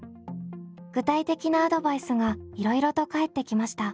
具体的なアドバイスがいろいろと返ってきました。